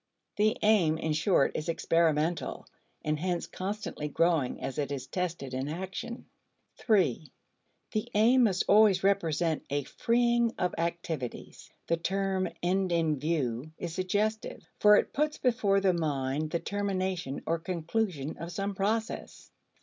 The aim, in short, is experimental, and hence constantly growing as it is tested in action. (3) The aim must always represent a freeing of activities. The term end in view is suggestive, for it puts before the mind the termination or conclusion of some process.